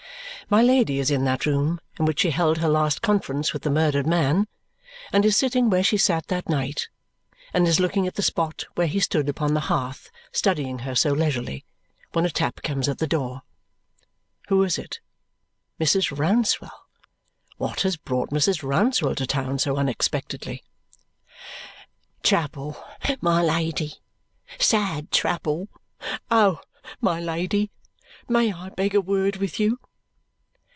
My Lady is in that room in which she held her last conference with the murdered man, and is sitting where she sat that night, and is looking at the spot where he stood upon the hearth studying her so leisurely, when a tap comes at the door. Who is it? Mrs. Rouncewell. What has brought Mrs. Rouncewell to town so unexpectedly? "Trouble, my Lady. Sad trouble. Oh, my Lady, may I beg a word with you?"